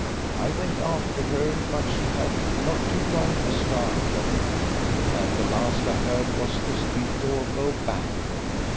I went after her, but she had too long a start of me, and the last I heard was the street door go bang."